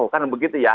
wow karena begitu ya